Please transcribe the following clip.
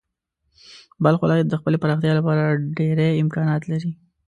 بلخ ولایت د خپلې پراختیا لپاره ډېری امکانات لري.